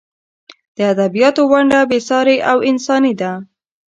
د ادبیاتو ونډه بې سارې او انساني ده.